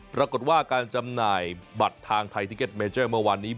ปรากฏว่าการจำหน่ายบัตรทางไทยทิเก็ตเมเจอร์เมื่อวานนี้